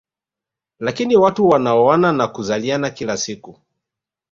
Lakini watu wanaoana na kuzaliana kila siku